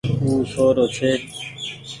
او سو رو ڇي۔